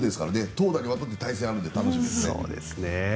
投打にわたって対戦があるので楽しみです。